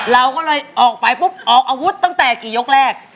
เราก็เลยออกไปปุ๊บออกอาวุธตั้งแต่กี่ยกแรก